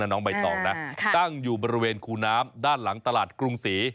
น้องใบตองนะตั้งอยู่บริเวณคูน้ำด้านหลังตลาดกรุงศรี